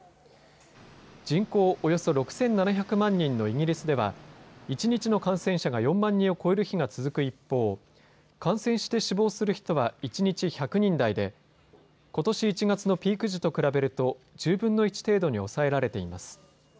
人口およそ６７００万人のイギリスでは一日の感染者が４万人を超える日が続く一方、感染して死亡する人は一日１００人台でことし１月のピーク時と比べると１０分の１程度に抑えられています。